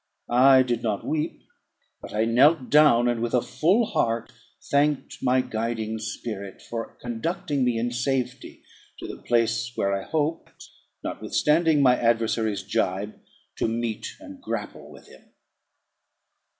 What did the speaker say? I did not weep; but I knelt down, and, with a full heart, thanked my guiding spirit for conducting me in safety to the place where I hoped, notwithstanding my adversary's gibe, to meet and grapple with him.